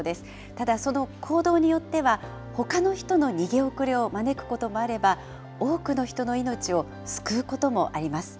ただ、その行動によっては、ほかの人の逃げ遅れを招くこともあれば、多くの人の命を救うこともあります。